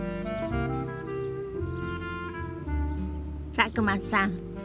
佐久間さん